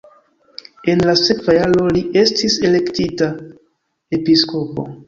En la sekva jaro li estis elektita episkopo.